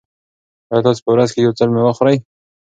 ایا تاسي په ورځ کې یو ځل مېوه خورئ؟